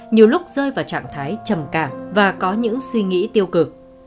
nhiều lúc rơi vào trạng thái trầm cảm và có những suy nghĩ tiêu cực